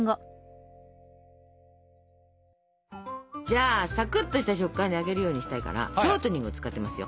じゃあサクッとした食感で揚げるようにしたいからショートニングを使ってますよ。